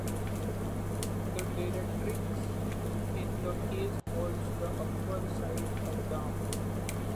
The directrix in this case was the upper side of the arm.